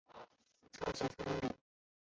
朝鲜葱饼。